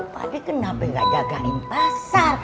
pagi kenapa nggak jagain pasar